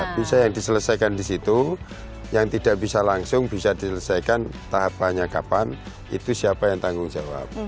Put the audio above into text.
bisa yang diselesaikan di situ yang tidak bisa langsung bisa diselesaikan tahapannya kapan itu siapa yang tanggung jawab